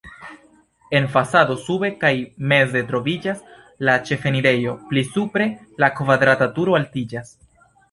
En fasado sube kaj meze troviĝas la ĉefenirejo, pli supre la kvadrata turo altiĝas.